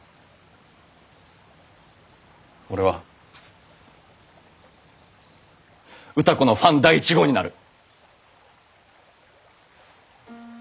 俺は歌子のファン第１号になる。